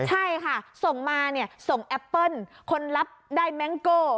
ใช่ค่ะส่งมาเนี่ยส่งแอปเปิ้ลคนรับได้แมงโก้